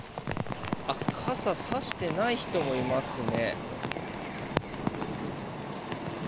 傘、さしてない人もいますね。